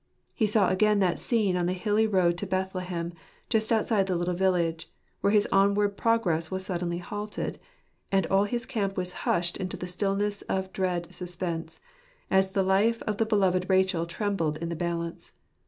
He saw again that scene on the hilly road to Bethlehem, just outside the little village, where his onward progress was suddenly halted, and all his camp was hushed into the stillness of a dread suspense, as the life of the beloved Rachel trembled in the balance.